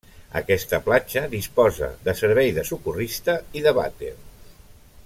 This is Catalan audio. Aquesta platja disposa de servei de socorrista i de vàter.